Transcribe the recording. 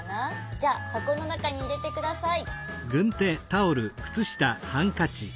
じゃあはこのなかにいれてください。